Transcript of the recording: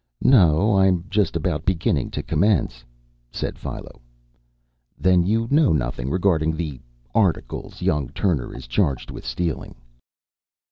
"No, I'm just about beginning to commence," said Philo. "Then you know nothing regarding the the articles young Turner is charged with stealing?"